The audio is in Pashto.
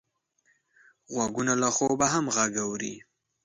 غوږونه له خوبه هم غږ اوري